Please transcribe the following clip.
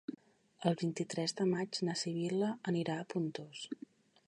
El vint-i-tres de maig na Sibil·la anirà a Pontós.